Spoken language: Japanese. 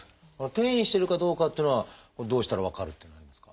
転移してるかどうかっていうのはどうしたら分かるというのはありますか？